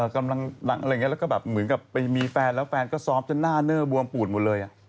กำลังดังอะไรอย่างนี้แล้วก็แบบเหมือนกับไปมีแฟนแล้วแฟนก็ซ้อมจนหน้าเนอร์บวมปูดหมดเลย